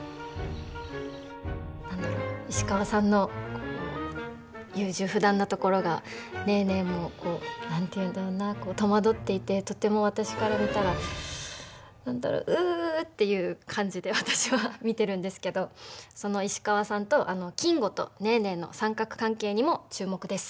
何だろう石川さんの優柔不断なところがネーネーもこう何て言うんだろうなあ戸惑っていてとても私から見たら何だろううっていう感じで私は見てるんですけどその石川さんと金吾とネーネーの三角関係にも注目です。